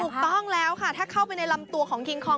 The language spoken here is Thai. ถูกต้องแล้วค่ะถ้าเข้าไปในลำตัวของคิงคอง